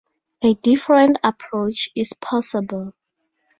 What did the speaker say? A different approach is possible.